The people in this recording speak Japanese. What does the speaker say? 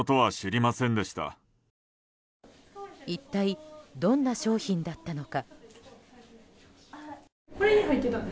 一体どんな商品だったのか？